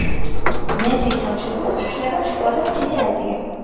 ნესვის სამშობლოდ ითვლება შუა და მცირე აზია.